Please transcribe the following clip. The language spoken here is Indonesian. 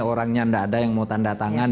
orangnya tidak ada yang mau tanda tangan